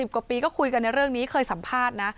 กว่าปีก็คุยกันในเรื่องนี้เคยสัมภาษณ์นะ